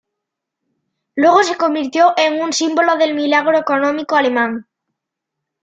Luego se convirtió en un símbolo del "milagro económico alemán".